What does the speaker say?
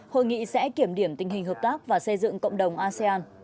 hội nghị sẽ kiểm điểm tình hình hợp tác và xây dựng cộng đồng asean